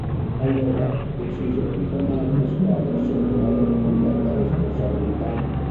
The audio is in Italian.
Allora, decisero di formare una squadra sotto la loro completa responsabilità.